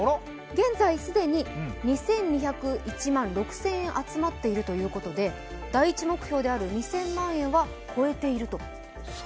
現在、既に２２０１万６０００円集まっているということで、第１目標である２０００万円は超えていると。